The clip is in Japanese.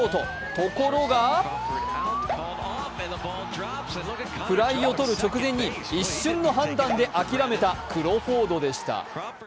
ところがフライをとる直前に一瞬の判断で諦めたクロフォードでした。